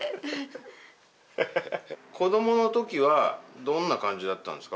子どもの時はどんな感じだったんですか？